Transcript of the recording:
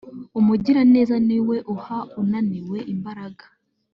umugiraneza ni we uha unaniwe imbaraga